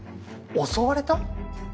襲われた？